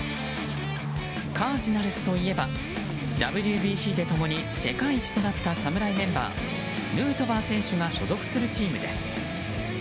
カージナルスといえばＷＢＣで共に世界一となった侍メンバー、ヌートバー選手が所属するチームです。